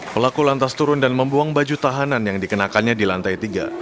pelaku lantas turun dan membuang baju tahanan yang dikenakannya di lantai tiga